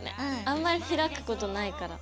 あんまりひらくことないから。